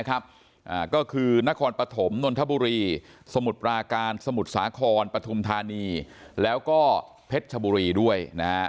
ก็คือนครปฐมนนทบุรีสมุทรปราการสมุทรสาครปฐุมธานีแล้วก็เพชรชบุรีด้วย